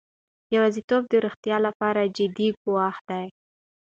یوازیتوب د روغتیا لپاره جدي ګواښ دی.